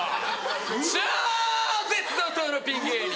超絶怒濤のピン芸人！